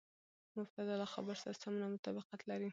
مبتداء له خبر سره سمون او مطابقت لري.